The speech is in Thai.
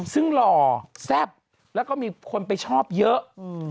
ซึ่งหล่อแซ่บแล้วก็มีคนไปชอบเยอะ